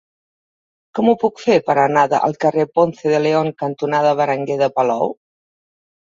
Com ho puc fer per anar al carrer Ponce de León cantonada Berenguer de Palou?